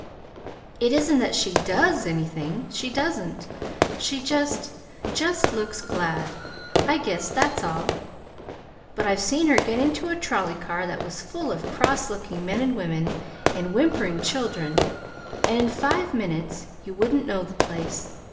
It isn't that she DOES anything. She doesn't. She just just looks glad, I guess, that's all. But I've seen her get into a trolley car that was full of cross looking men and women, and whimpering children, and in five minutes you wouldn't know the place.